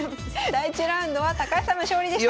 第１ラウンドは高橋さんの勝利でした。